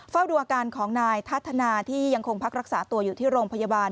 เฝ้าดูอาการของนายทัศนาที่ยังคงพักรักษาตัวอยู่ที่โรงพยาบาล